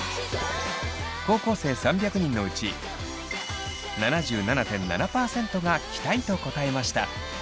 高校生３００人のうち７７．７％が着たいと答えました。